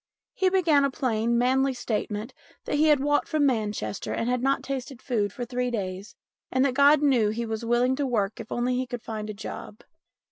He began a plain, manly statement that he had walked from Manchester and had not tasted food for three days, and that God knew he was willing to work if only he could find a job.